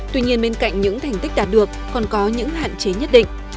tuy nhiên bên cạnh những thành tích đạt được còn có những hạn chế nhất định